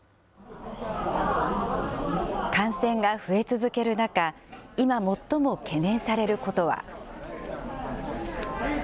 感染が増え続ける中、今最も懸念されることは。